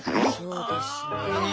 そうですね。